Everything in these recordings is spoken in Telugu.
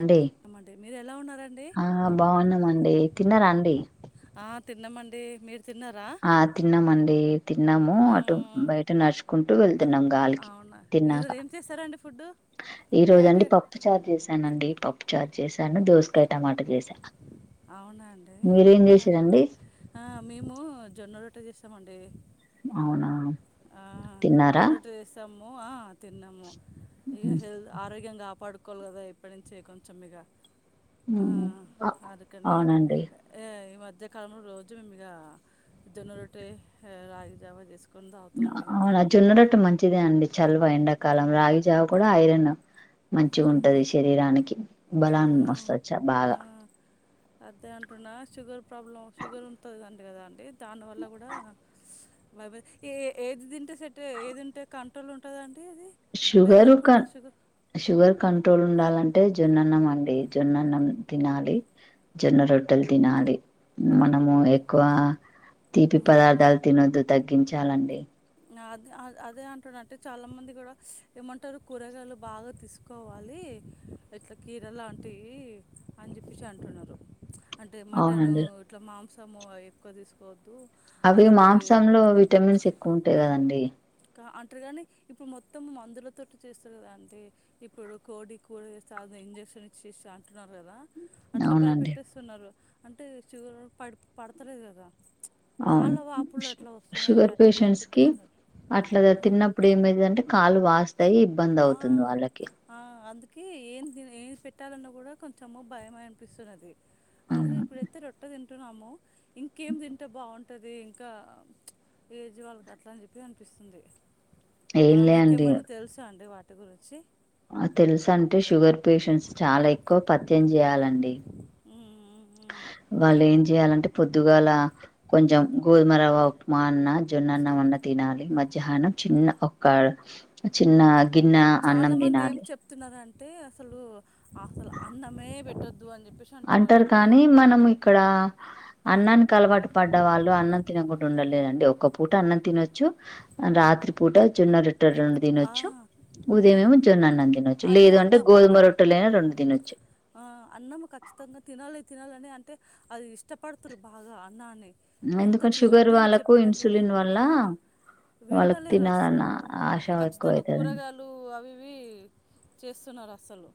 అండి అమ్మండి మీరు ఎలా ఉన్నారండి ఆ బాగున్నామండి తిన్నరాండి ఆ తిన్నామండి మీరు తిన్నారా ఆ తిన్నామండి తిన్నాము అటు మ్మ్. బయట నడుచుకుంటూ వెళ్తున్నాం గాలికి అవునా ఈరోజు తిన్నాక ఏం చేస్తారండి ఫుడ్ ఈ రోజ నైట్ అండి పప్పు చాారు చేశానండి పప్పు చార్ చేశాను దోసకాయ టమాట చేశాను అవునా అండి మేము జొన్న రొట్ట చేస్తామండి అవునా ఆ తిన్నారా రెండట్ చేస్తాం ఓ ఆ తిన్నాము హెల్త్ ఆరోగ్యంంగా కాపాడుకు కోలదా ఇప్పటి నుంచే కొంచెం మీగ అవును ఆ అవునండి ఏ, ఈ మధ్యకాలంలో రోజు మేము ఇక జొన్నరోట్టే రాగి జావా చేసుకునన్ అవునా అ జున్న రట్ట మం మంచిదే అండి చల్లవ ఎండాకాలం రాగిజావు కూడా ఐరనను మంచి ఉంటది శరీరానికి బలాన్ని ఆహా మస్తచ్చ ఆ బాగా అదే అంటున్నా షుగర్ ప్రాబ్లం షుగర్ ఉంటుందిండి కదా అండి దానివల్ల కూడా వైబ ఏ ఏది తింటే సెట్ ఏదుంటే కంట్రోల్ ఉంటుందండి అది షుగర్ క పెరగకుండా షుగర్ షుగర్ కంట్రోల్ ఉండాల అంటే జొన్నన్నం అండి జొన్నన్నం తినాలి జొన్న రొట్టెలు తినాలి మనము ఎక్కువ తీపి ఉమ్. పదార్థాలు తినదు తగ్ తగ్గించాలండి అది అదే అంటున్నా అంటే చాలామంది కూడా ఏమంటారు కూరగాయలు బాగా తీసుకోవాలి ఇట్లా కీర లాంటివి అని చెప్పేసి అంటున్నారు అంటే మటన్ అవునండి ఇట్లా మాంస్ సము ఎక్కువ తీసుకోవద్దు అవి అది అప్పటి మాంసంలో విటమిన్స్ ఎక్కువ ఉంటాయి కదండి డి కా అంటారు కానీ ఇప్పుడు మొత్తం మందులతో చేస్తారు కదా అంటే ఇప్పుడు కోడి కూడి సాధన ఇంజక్షన్ ఇచ్చేసి అంటున్నారు కదా అట్లా భయ అవునండి పెట్టేస్తున్నారు అంటే షుగర్ పడి పడతలేదు కదా అవును కాళ్ళ వాపులు షు- అట్లా వస్తున్నాడి షుగర్ అట్లా పేషెంట్స్ కి భయపెట్టటిస్తున్నారు అట్లా తిన్నప్పుడు ఏమైతు అంటే కా ళ్ వస్ యి ఇబ్బంది అవుతుంది వాళ్ళకి కి ఏం ఏం పెట్టాలన్నా కూడా కొంచెము భయమ అనిపిస్తున్నది అందుక అవును. ఇప్పుడతే రొట్ట ద ట్న్నాము ఇంకేం తింటే బాగుం పంటది ఇంకా ప్చ్ ఏజ్ వాళ్ళకి అట్లా అని చెప్పి అనిపిస్తుంది ఆ ఏం లే అండి మీకేమన్నా తెలుస్ పండే వాటి గురించి తెలుస అంటే షుగర్ పేషెంట్స్ చాలా ఎక్కువ పత్యం చేయాలండి ఊమ్ వాళ్ళు ఏం చేయాలంటే పొద్దుగాల కొంచెం గోధుమరవ ఉప్మా అన్న జొన్న అన్నమన్న తినాలి మధ్యాహ్నం చిన్న ఒక్క చిన్న గిన్న అన్నం దినాలి అంటే అసలు అసలు అన్నమే పెట్టద్ అంటారు కానీ మనం ఇక్కడ అన్నానికి అలవాటు పడ్డ వాళ్ళు అన్నం తినకుండా ఉండలేరండి ఒక్క పూట అన్నం తినొచ్చు ఉమ్, రాత్రి పూట జొన్న రో రొట్టె రెండు ఆ, తినచ్చు ఆ, ఉదయం యేమో జొన్న అన్నం తినచ్చు అది లేదు అంటే అన్నం గోదమ రొట్టలైనా రెండు తినచ్చు. ఆ అన్నము ఖచ్చితంగా తినాలి తినాలి అని అంటే అది ఇష్టపడుతురు బాగా అన్నాన్ని ఎంత ఎందుకంటే షుగర్ తినొద్దు అని వాళ్ళకు చెప్పినా కూడా ఇన్సులిన్ వల్ల ఆ వాళ్ళకి వింటలేరు తినాలన్న అస్సలు ఆశ ఎక్కువ ఖచ్చితంగా అవుతుందండి కూరగాయలు అవి. ఇవి చేస్తున్నారు అసలు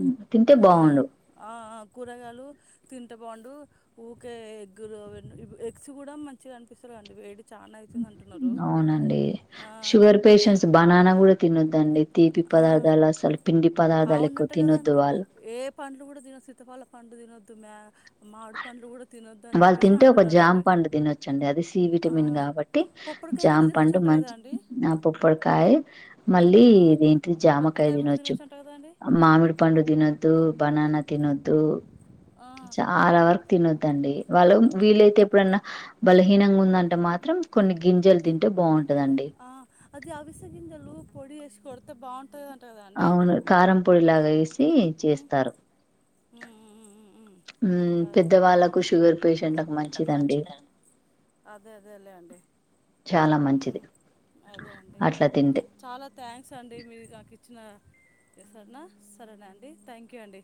ఉ తింటే బాగుండు. ఆ కూరగాయలు తింటే బాగుండు ఊకే ఎగ్గులు అవి ఎగ్స్ కూడా మంచిగా అనిపిస్తలేవండి వేడి. చాలా అవుతుంది అంటున్నారు అవునండి ఆ, షుగర్ పేషెంట్స్ బనానా కూడా తినొద్దండి. తీపి ఆ పదార్థాలు అసలు పిండి పదార్థాలు ఎక్కువ అవునట తినొద్దు కదండి వాళ్ళు ఏ పండ్లు కూడా తిన శీతఫల పండ్లు తీ మామిడి పండ్లు కూడా తినొద్దు అని వాళ్ళు చెప్పేసి తింటే ఒక జామ అంటున్నారండి పండు తినొచ్చండి అది సి ఆ, విటమిన్ కాబట్టి పొప్పడికాయ జామ కూడా పండు తినొచ్చంట కదా మంచి అండి ఆ పప్పడి కాయ మళ్ళీ ఆ, ఇది ఏంటిది జామకాయ పొప్పడికాయ కూడా తినొచ్చు తినొచ్చంట కదా అండి మామిడి పండు తినొద్దు బనానా తినొద్దు. ఆ, చాలా వరకు తినొద్దండి వాళ్ళు వీలైతే ఎప్పుడన్న బలహీనంగా ఉందంటే మాత్రం కొన్ని గింజలు తి ఆ అది అవిసాగింజలూ పొడి వేసి కొడితే బాగుంటది. అవును కారం పొడిలాగ చేస్తే. చేస్తారు అదే పెద్దవాళ్ళకు షుగర్ పేషెంట్లకు మంచిదండి అదే అదే లే అండి చాలా ఉ మంచిది అదే అండి అట్లా తింటే చాలా థ్యాంక్స్ అండి మీరు నాకు ఇచ్చి సరెనా సరేనా అండి థ్యాంక్ యూ అండి.